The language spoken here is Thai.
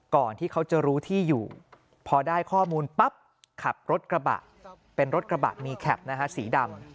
ก่อนที่เขาจะรู้ที่อยู่พอได้ข้อมูลปั๊บขับรถกระบะเป็นรถกระบะมีแคปนะฮะสีดำ